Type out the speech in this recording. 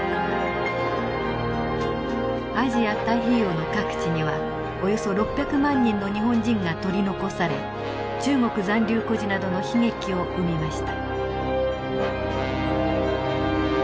アジア太平洋の各地にはおよそ６００万人の日本人が取り残され中国残留孤児などの悲劇を生みました。